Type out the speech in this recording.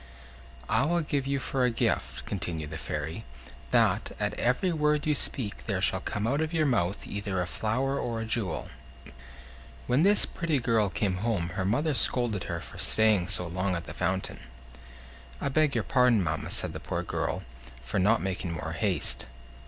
"I will give you for a gift," continued the Fairy, "that, at every word you speak, there shall come out of your mouth either a flower or a jewel." When this pretty girl came home her mother scolded her for staying so long at the fountain. "I beg your pardon, mamma," said the poor girl, "for not making more haste."